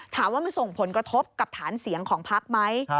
ถามว่ามันส่งผลกระทบกับฐานเสียงของพักไหม